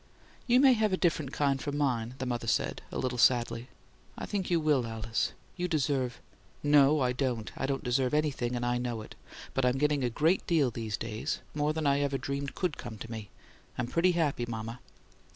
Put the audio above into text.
"You may have a different kind from mine," the mother said, a little sadly. "I think you will, Alice. You deserve " "No, I don't. I don't deserve anything, and I know it. But I'm getting a great deal these days more than I ever dreamed COULD come to me. I'm I'm pretty happy, mama!"